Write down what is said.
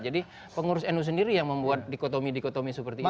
jadi pengurus nu sendiri yang membuat dikotomi dikotomi seperti itu